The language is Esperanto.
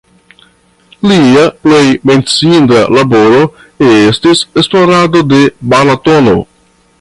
Lia plej menciinda laboro estis esplorado de Balatono.